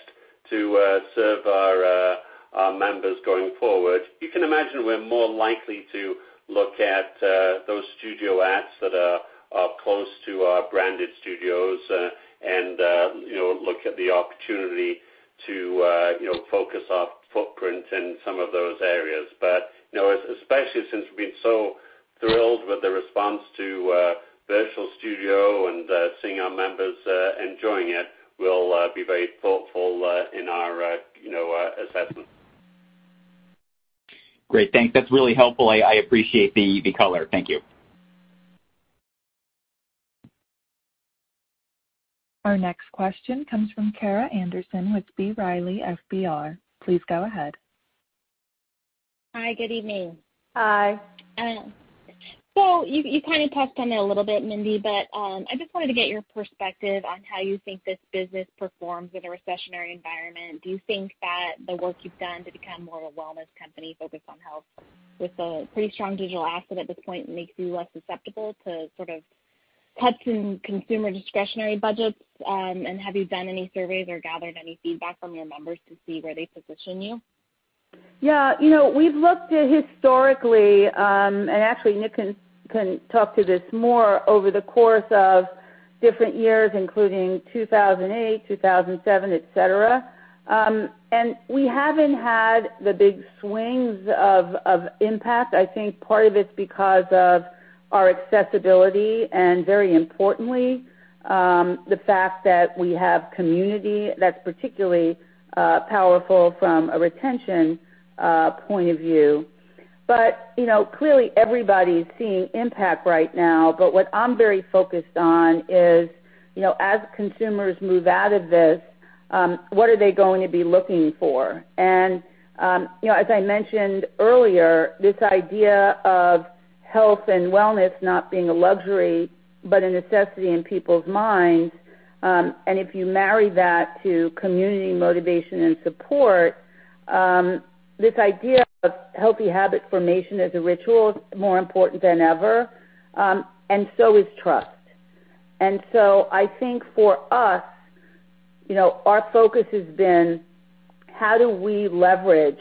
to serve our members going forward, you can imagine we're more likely to look at those studio at that are close to our branded studios and look at the opportunity to focus our footprint in some of those areas. Especially since we've been so thrilled with the response to Virtual Studio and seeing our members enjoying it, we'll be very thoughtful in our assessment. Great. Thanks. That's really helpful. I appreciate the color. Thank you. Our next question comes from Kara Anderson with B. Riley FBR. Please go ahead. Hi. Good evening. Hi. You kind of touched on it a little bit, Mindy, I just wanted to get your perspective on how you think this business performs in a recessionary environment. Do you think that the work you've done to become more of a wellness company focused on health with a pretty strong digital asset at this point, makes you less susceptible to sort of cuts in consumer discretionary budgets? Have you done any surveys or gathered any feedback from your members to see where they position you? We've looked at historically, and actually Nick can talk to this more, over the course of different years, including 2008, 2007, et cetera. We haven't had the big swings of impact. I think part of it's because of our accessibility and very importantly, the fact that we have community that's particularly powerful from a retention point of view. Clearly everybody's seeing impact right now. What I'm very focused on is, as consumers move out of this, what are they going to be looking for? As I mentioned earlier, this idea of health and wellness not being a luxury, but a necessity in people's minds. If you marry that to community motivation and support, this idea of healthy habit formation as a ritual is more important than ever, and so is trust. I think for us, our focus has been how do we leverage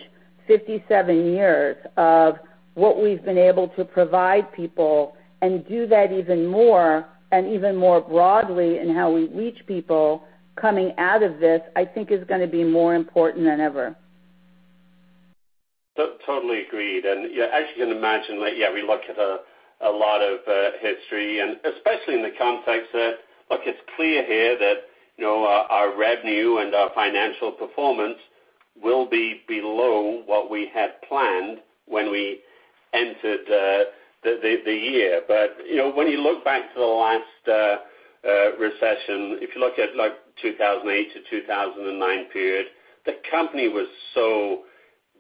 57 years of what we've been able to provide people and do that even more and even more broadly in how we reach people coming out of this, I think is going to be more important than ever. Totally agreed. You can imagine, we look at a lot of history and especially in the context that, look, it's clear here that our revenue and our financial performance will be below what we had planned when we entered the year. You look back to the last recession, if you look at like 2008-2009 period, the company was so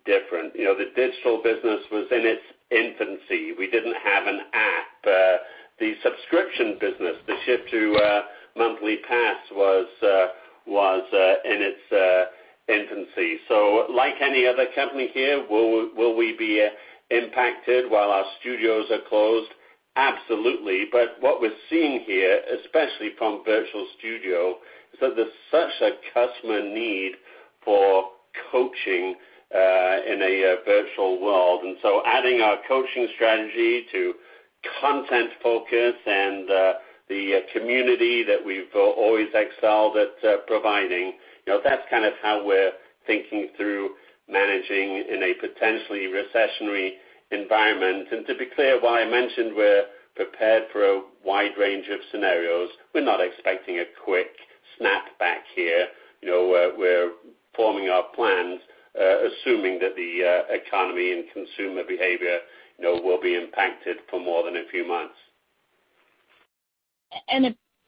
different. The digital business was in its infancy. We didn't have an app. The subscription business, the shift to Monthly Pass was in its infancy. Like any other company here, will we be impacted while our studios are closed? Absolutely. What we're seeing here, especially from Virtual Studio, is that there's such a customer need for coaching, in a virtual world. Adding our coaching strategy to content focus and the community that we've always excelled at providing, that's kind of how we're thinking through managing in a potentially recessionary environment. To be clear why I mentioned we're prepared for a wide range of scenarios, we're not expecting a quick snap back here. We're forming our plans, assuming that the economy and consumer behavior will be impacted for more than a few months.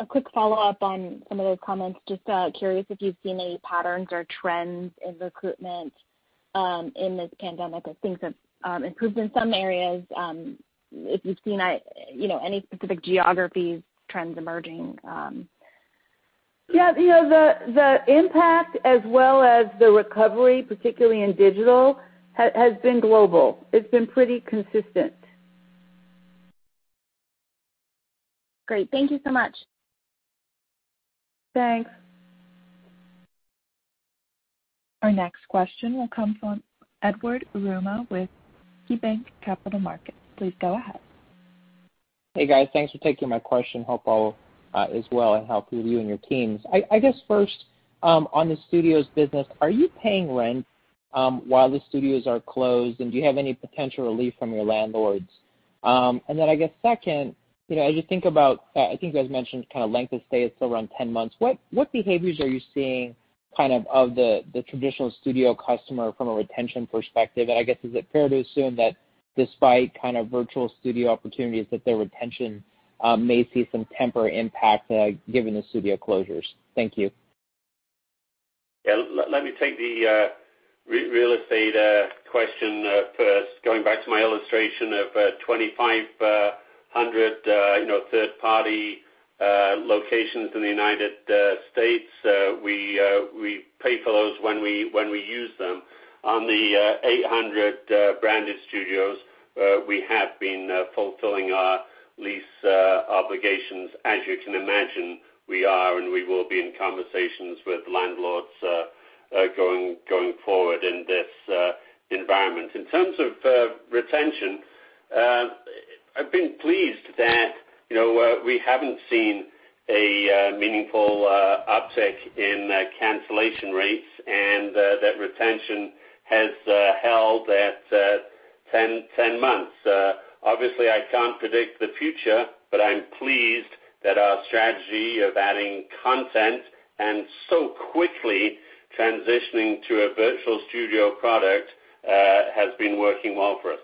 A quick follow-up on some of those comments. Just curious if you've seen any patterns or trends in recruitment, in this pandemic as things have improved in some areas, if you've seen any specific geographies trends emerging? Yeah. The impact as well as the recovery, particularly in digital, has been global. It's been pretty consistent. Great. Thank you so much. Thanks. Our next question will come from Edward Yruma with KeyBanc Capital Markets. Please go ahead. Hey, guys. Thanks for taking my question. Hope all is well and healthy with you and your teams. I guess first, on the studios business, are you paying rent, while the studios are closed, and do you have any potential relief from your landlords? I guess second, as you think about, I think you guys mentioned kind of length of stay is still around 10 months. What behaviors are you seeing kind of the traditional studio customer from a retention perspective? I guess, is it fair to assume that despite kind of Virtual Studio opportunities, that their retention may see some temporary impact given the studio closures? Thank you. Yeah. Let me take the real estate question first. Going back to my illustration of 2,500 third-party locations in the U.S., we pay for those when we use them. On the 800 branded studios, we have been fulfilling our lease obligations. As you can imagine, we are and we will be in conversations with landlords, going forward in this environment. In terms of retention, I've been pleased that we haven't seen a meaningful uptick in cancellation rates and that retention has held at 10 months. Obviously, I can't predict the future, but I'm pleased that our strategy of adding content and so quickly transitioning to a virtual studio product, has been working well for us.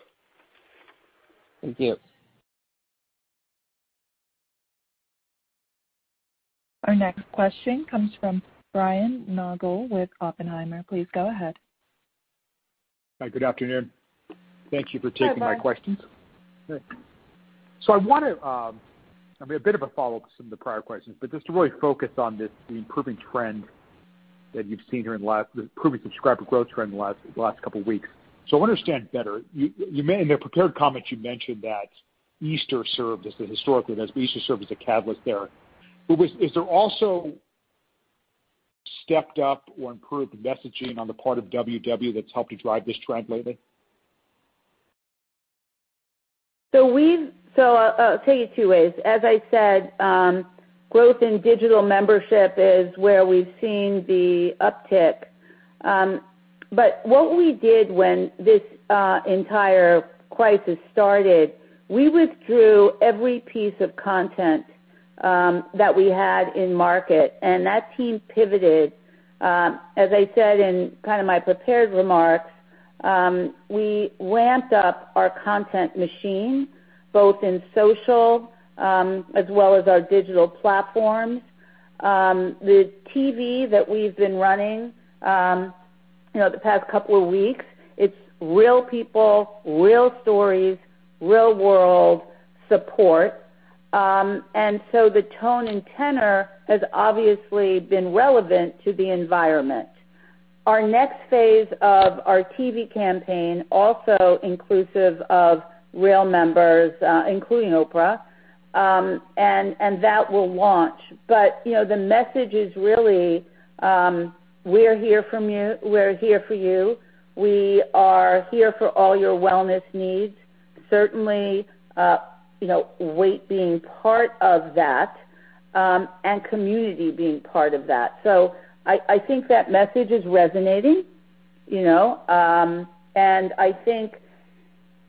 Thank you. Our next question comes from Brian Nagel with Oppenheimer. Please go ahead. Hi. Good afternoon. Thank you for taking my questions. Hi, Brian. A bit of a follow-up to some of the prior questions, but just to really focus on the improving subscriber growth trend in the last couple of weeks. I want to understand better. In the prepared comments you mentioned that historically, Easter served as a catalyst there. Is there also stepped up or improved messaging on the part of WW that's helped you drive this trend lately? I'll tell you two ways. As I said, growth in digital membership is where we've seen the uptick. What we did when this entire crisis started, we withdrew every piece of content that we had in market, and that team pivoted. As I said in my prepared remarks, we ramped up our content machine, both in social, as well as our digital platforms. The TV that we've been running the past couple of weeks, it's real people, real stories, real-world support. The tone and tenor has obviously been relevant to the environment. Our next phase of our TV campaign, also inclusive of real members, including Oprah, and that will launch. The message is really, we're here for you. We are here for all your wellness needs, certainly, weight being part of that, and community being part of that. I think that message is resonating, and I think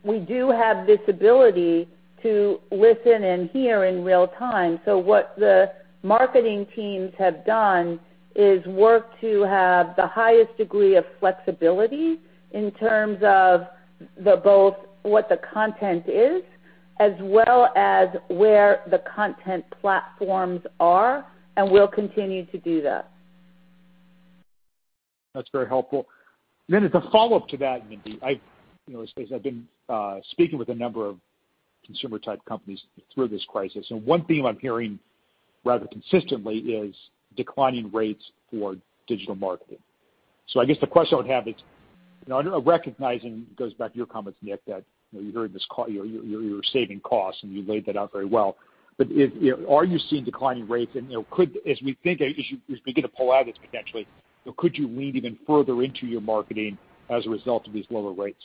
we do have this ability to listen and hear in real-time. What the marketing teams have done is work to have the highest degree of flexibility in terms of both what the content is as well as where the content platforms are, and we'll continue to do that. That's very helpful. As a follow-up to that, Mindy. As I've been speaking with a number of consumer-type companies through this crisis, and one theme I'm hearing rather consistently is declining rates for digital marketing. I guess the question I would have is, I recognize, and it goes back to your comments, Nick, that you're saving costs, and you laid that out very well. Are you seeing declining rates? As we begin to pull out of this, potentially, could you lean even further into your marketing as a result of these lower rates?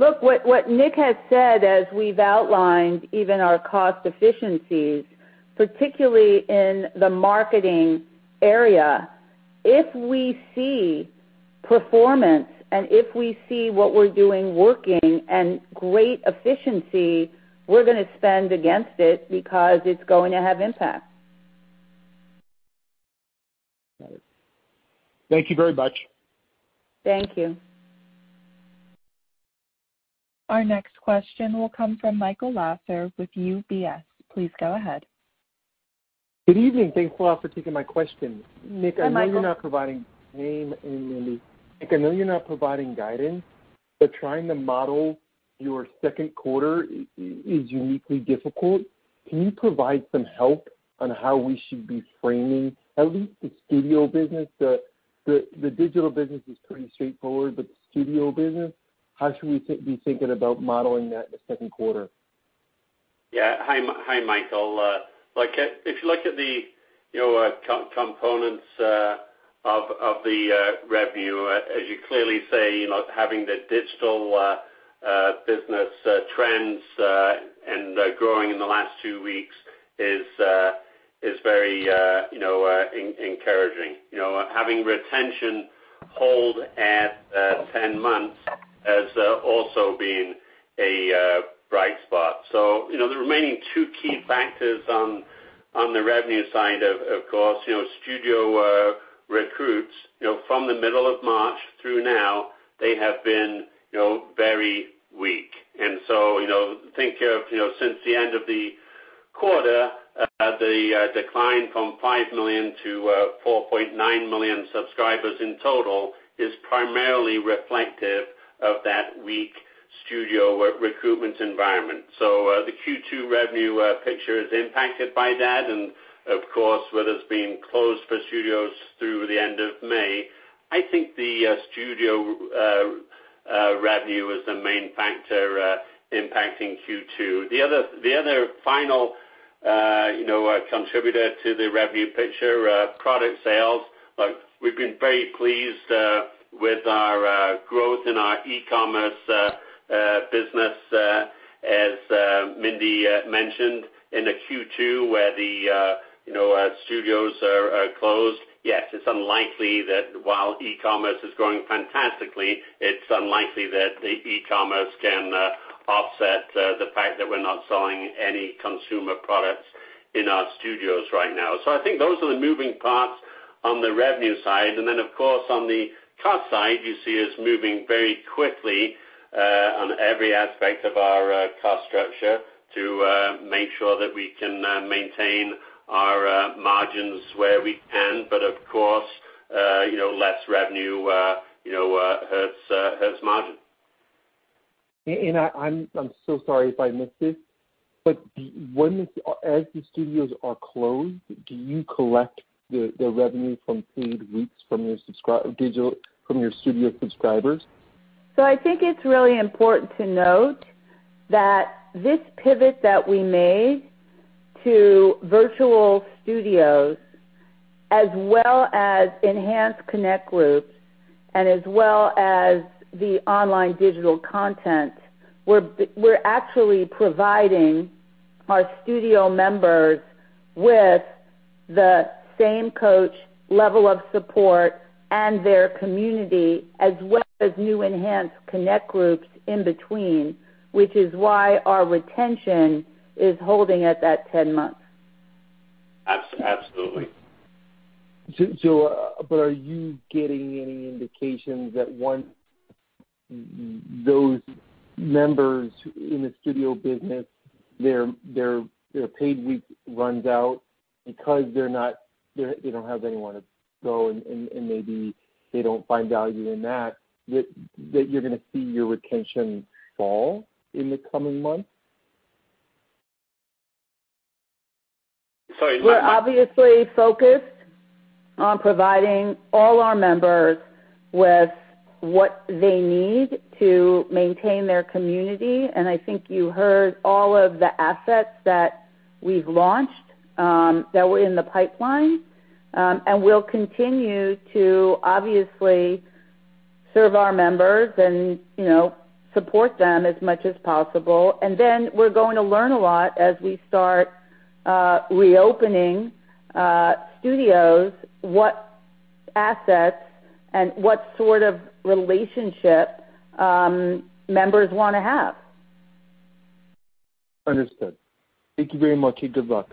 Look, what Nick has said as we've outlined even our cost efficiencies, particularly in the marketing area, if we see performance and if we see what we're doing working and great efficiency, we're going to spend against it because it's going to have impact. Got it. Thank you very much. Thank you. Our next question will come from Michael Lasser with UBS. Please go ahead. Good evening. Thanks a lot for taking my question. Hi, Michael. [Evening Mindy]. Nick, I know you're not providing guidance, but trying to model your second quarter is uniquely difficult. Can you provide some help on how we should be framing at least the studio business? The digital business is pretty straightforward, but the studio business, how should we be thinking about modeling that second quarter? Hi, Michael. If you look at the components of the revenue, as you clearly say, having the digital business trends, and growing in the last two weeks is very encouraging. Having retention hold at 10 months has also been a bright spot. The remaining two key factors on the revenue side, of course, studio recruits. From the middle of March through now, they have been very weak. Since the end of the quarter, the decline from five million to 4.9 million subscribers in total is primarily reflective of that weak studio recruitment environment. The Q2 revenue picture is impacted by that, and of course, with us being closed for studios through the end of May, I think the studio revenue is the main factor impacting Q2. The other final contributor to the revenue picture, product sales. Look, we've been very pleased with our growth in our e-commerce business as Mindy mentioned, into Q2 where the studios are closed. Yes, it's unlikely that while e-commerce is growing fantastically, it's unlikely that the e-commerce can offset the fact that we're not selling any consumer products in our studios right now. I think those are the moving parts on the revenue side. Then of course, on the cost side, you see us moving very quickly on every aspect of our cost structure to make sure that we can maintain our margins where we can. Of course, less revenue hurts margin. I'm so sorry if I missed this, but as the studios are closed, do you collect the revenue from paid weeks from your studio subscribers? I think it's really important to note that this pivot that we made to Virtual Studios as well as enhanced Connect groups and as well as the online digital content, we're actually providing our studio members with the same coach level of support and their community, as well as new enhanced Connect groups in between, which is why our retention is holding at that 10 months. Absolutely. Are you getting any indications that once those members in the studio business, their paid week runs out because they don't have anyone to go, and maybe they don't find value in that you're going to see your retention fall in the coming months? Sorry- We're obviously focused on providing all our members with what they need to maintain their community, I think you heard all of the assets that we've launched, that were in the pipeline. We'll continue to obviously serve our members and support them as much as possible. We're going to learn a lot as we start reopening studios, what assets and what sort of relationship members want to have. Understood. Thank you very much and good luck.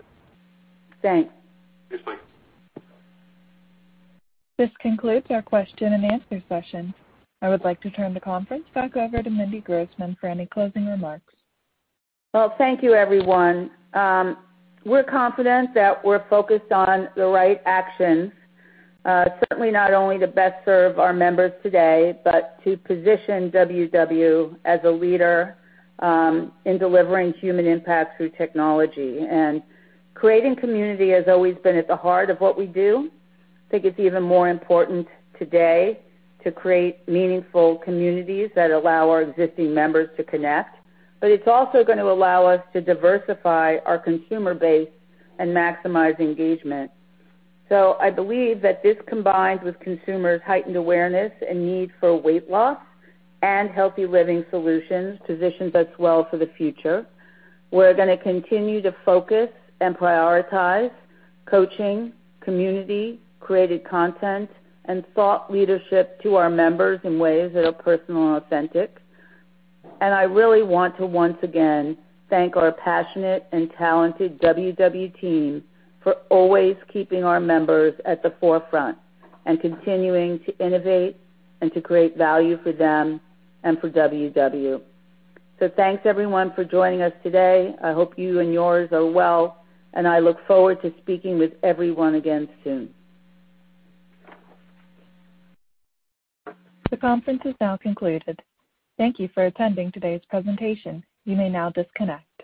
Thanks. Thanks, Mike. This concludes our question and answer session. I would like to turn the conference back over to Mindy Grossman for any closing remarks. Well, thank you everyone. We're confident that we're focused on the right actions, certainly not only to best serve our members today, but to position WW as a leader in delivering human impact through technology. Creating community has always been at the heart of what we do. I think it's even more important today to create meaningful communities that allow our existing members to Connect. It's also going to allow us to diversify our consumer base and maximize engagement. I believe that this, combined with consumers' heightened awareness and need for weight loss and healthy living solutions, positions us well for the future. We're going to continue to focus and prioritize coaching, community, created content, and thought leadership to our members in ways that are personal and authentic. I really want to once again thank our passionate and talented WW team for always keeping our members at the forefront and continuing to innovate and to create value for them and for WW. Thanks everyone for joining us today. I hope you and yours are well, and I look forward to speaking with everyone again soon. The conference has now concluded. Thank you for attending today's presentation. You may now disconnect.